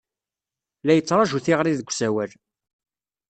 La yettṛaju tiɣri deg usawal.